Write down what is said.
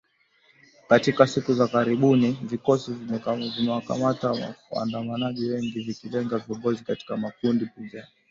Katika siku za karibuni vikosi vimewakamata waandamanaji wengi vikilenga viongozi katika makundi pinzani